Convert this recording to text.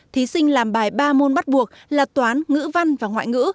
thí sinh làm bài ba môn bắt buộc là toán ngữ văn và ngoại ngữ